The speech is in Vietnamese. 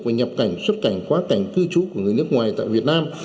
và nhập cảnh xuất cảnh quá cảnh cư trú của người nước ngoài tại việt nam